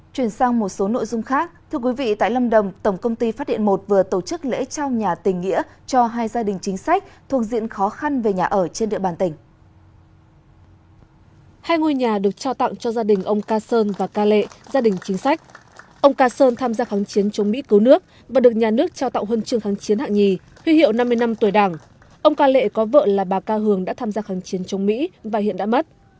với nhiều nét tương đồng giữa hai quốc gia các doanh nghiệp thụy điển có thể đồng hành cùng việt nam trên con đường phát triển năng lượng cho gia đình ông ca sơn và ca lệ gia đình chính sách ông ca sơn tham gia kháng chiến chống mỹ cứu nước và được nhà nước trao tạo hơn trường kháng chiến hạng nhì huy hiệu năm mươi năm tuổi đảng ông ca lệ có vợ là bà ca hường đã tham gia kháng chiến chống mỹ và hiện đã mất